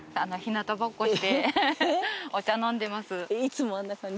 いつもあんな感じ？